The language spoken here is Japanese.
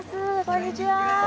こんにちは。